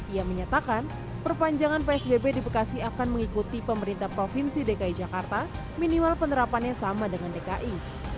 ia menyatakan perpanjangan psbb di bekasi akan mengikuti pemerintah provinsi dki jakarta minimal penerapannya sama dengan dki